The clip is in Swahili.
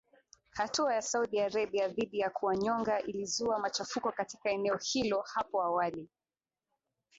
Hatua ya Saudi Arabia dhidi ya kuwanyonga ilizua machafuko katika eneo hilo hapo awali